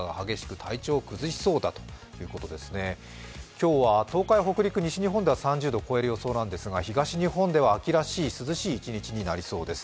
今日は東海、北陸、西日本では３０度を超えそうなんですが東日本では秋らしい、涼しい１日になりそうです